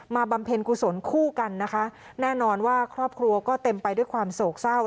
บำเพ็ญกุศลคู่กันนะคะแน่นอนว่าครอบครัวก็เต็มไปด้วยความโศกเศร้า